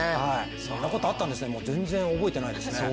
そんなことあったんですね、全然覚えてないですね。